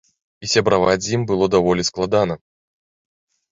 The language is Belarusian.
І сябраваць з ім было даволі складана.